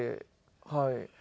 はい。